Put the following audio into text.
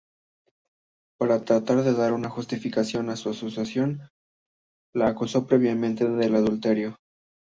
Para tratar de dar una justificación a su acción la acusó previamente de adulterio.